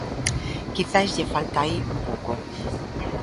Quizais lle falta aí un pouco.